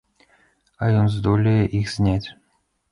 А ён здолее іх зняць!